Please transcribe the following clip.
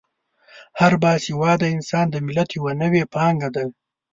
هر با سواده انسان د ملت یوه نوې پانګه ده.